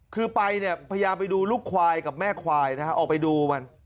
คือไปเนี่ยพยายามไปดูลูกควายกับแม่ควายนะฮะออกไปดูมัน